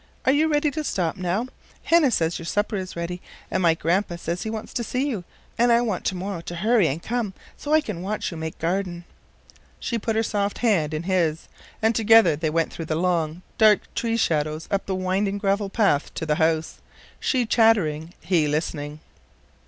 Are you ready to stop now? Hannah says your supper is ready, and my Grandpa says he wants to see you, and I want to morrow to hurry and come, so I can watch you make garden." She put her soft hand in his, and together they went through the long, dark tree shadows up the winding gravel path to the house, she chattering, he listening.